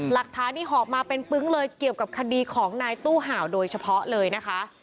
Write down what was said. หลักฐานนี้หอบมาเป็นปึ๊งเลยเกี่ยวกับคดีของนายตู้ห่าวโดยเฉพาะเลยนะคะ